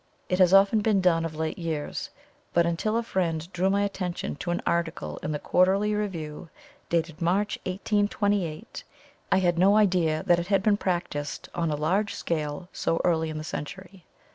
It has often been done of late years, but until a friend drew my attention to an article in the Quarterly Review, dated March 1828, I had no idea that it had been practised on a large scale so early in the century.